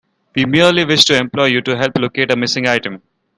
We merely wish to employ you to help locate a missing item.